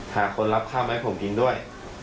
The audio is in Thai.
หาคนรับข้าวมาให้ผมกินด้วย